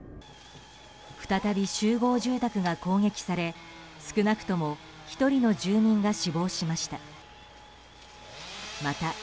再び集合住宅が攻撃され少なくとも１人の住民が死亡しました。